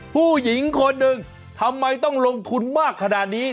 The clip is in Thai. ผู้หญิงคนหนึ่งทำไมต้องลงทุนมากขนาดนี้